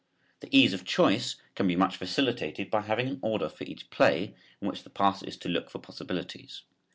The ease of choice can be much facilitated by having an order for each play in which the passer is to look for possibilities.